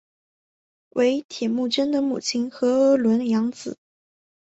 为铁木真的母亲诃额仑养子。